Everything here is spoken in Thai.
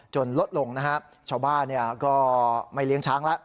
ลดลงนะฮะชาวบ้านก็ไม่เลี้ยงช้างแล้ว